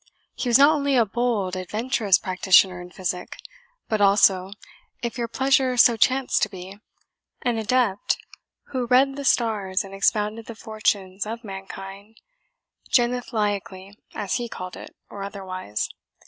He was not only a bold, adventurous practitioner in physic, but also, if your pleasure so chanced to be, an adept who read the stars, and expounded the fortunes of mankind, genethliacally, as he called it, or otherwise.